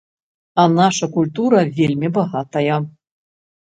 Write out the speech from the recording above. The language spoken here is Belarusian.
А наша культура вельмі багатая.